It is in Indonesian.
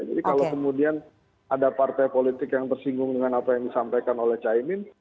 jadi kalau kemudian ada partai politik yang bersinggung dengan apa yang disampaikan oleh caimin